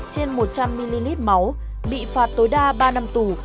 trên một trăm linh ml máu bị phạt tối đa ba năm tù